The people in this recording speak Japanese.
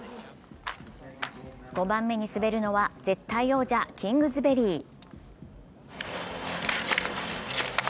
５番目に滑るのは絶対王者・キングズベリー。